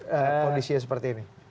kondisinya seperti ini